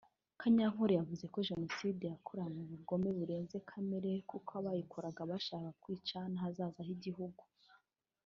Kanyankore yavuze ko Jenoside yakoranywe ubugome burenze kamere kuko abayikoraga bashakaga kwica n’ahazaza h’igihugu